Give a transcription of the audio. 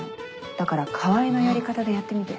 だから川合のやり方でやってみて。